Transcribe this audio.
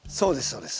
そうです